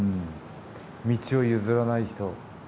道を譲らない人。